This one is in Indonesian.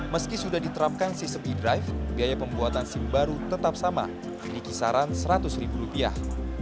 meski sudah diterapkan sistem edrive biaya pembuatan sim baru tetap sama di kisaran seratus ribu rupiah